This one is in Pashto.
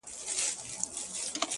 د حقیقت منل شخصیت پیاوړی کوي.